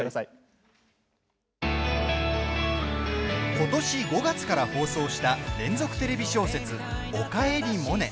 ことし５月から放送した連続テレビ小説「おかえりモネ」。